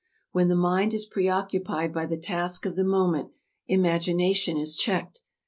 When the mind is preoccupied by the task of the moment, imagination is checked.